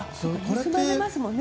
盗まれますもんね。